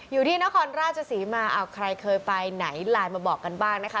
อยู่ที่นครราชศรีมาใครเคยไปไหนไลน์มาบอกกันบ้างนะคะ